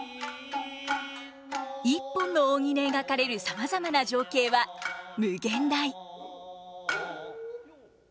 一本の扇で描かれるさまざまな情景は無限大。